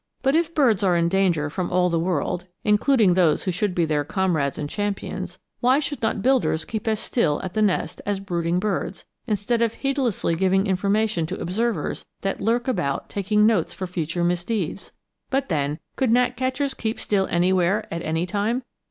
But if birds are in danger from all the world, including those who should be their comrades and champions, why should not builders keep as still at the nest as brooding birds, instead of heedlessly giving information to observers that lurk about taking notes for future misdeeds? But then, could gnatcatchers keep still anywhere at any time?